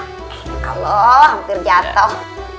halo hampir jatuh